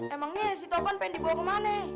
emangnya si topan pengen dibawa ke mana